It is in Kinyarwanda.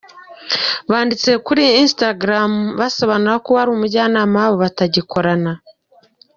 Banditse kuri instagram basobanura ko uwari umujyanama wabo batagikorana.